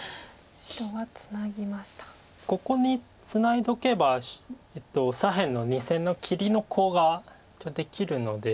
ここにツナいどけば左辺の２線の切りのコウが一応できるので。